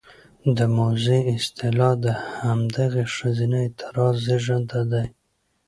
د موذي اصطلاح د همدغې ښځينه اعتراض زېږنده دى: